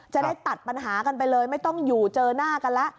จะได้ตัดปัญหากันไปเลยไม่ต้องอยู่เจอหน้ากันแล้ว